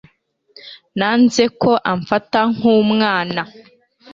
Nanze ko amfata nk'umwana.